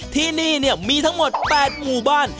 ที่นี่มีทั้งหมด๘หมู่บ้าน